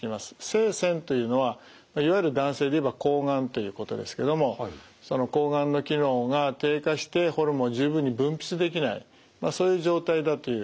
性腺というのはいわゆる男性でいえばこうがんということですけどもそのこうがんの機能が低下してホルモンを十分に分泌できないそういう状態だという